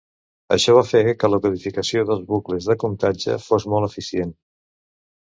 Això va fer que la codificació dels bucles de comptatge fos molt eficient.